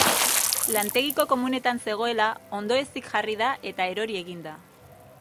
Lantegiko komunetan zegoela, ondoezik jarri da, eta erori egin da.